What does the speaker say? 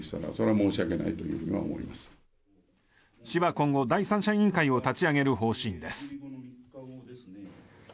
市は今後、第三者委員会を立ち上げる方針です。